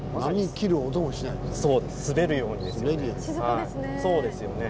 滑るようにですよね。